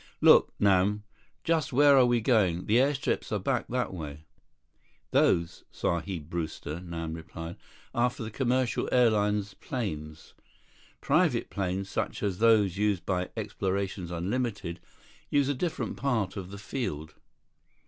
"Look, Nam. Just where are we going? The airstrips are back that way." "Those, Sahib Brewster," Nam replied, "are for the commercial airlines planes. Private planes, such as those used by Explorations Unlimited, use a different part of the field."